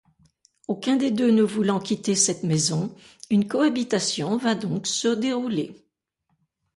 Aucun des deux ne voulant quitter cette maison, une cohabitation va donc se dérouler.